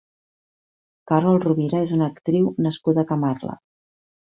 Carol Rovira és una actriu nascuda a Camarles.